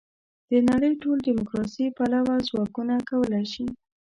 د نړۍ ټول دیموکراسي پلوه ځواکونه کولای شي.